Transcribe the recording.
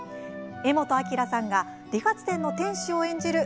柄本明さんが理髪店の店主を演じる